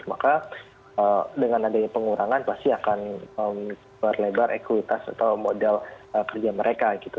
maka dengan adanya pengurangan pasti akan berlebar ekuitas atau modal kerja mereka gitu